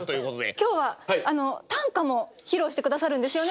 今日は短歌も披露して下さるんですよね。